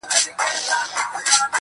د هيندارو يوه لار کي يې ويده کړم_